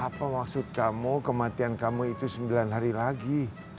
apa maksud kamu kematian kamu itu sembilan hari lagi